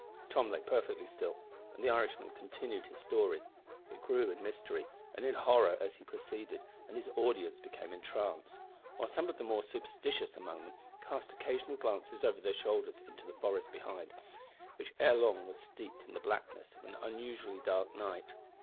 Tom lay perfectly still, and the Irishman continued his story. It grew in mystery and in horror as he proceeded, and his audience became entranced, while some of the more superstitious among them cast occasional glances over their shoulders into the forest behind, which ere long was steeped in the blackness of an unusually dark night.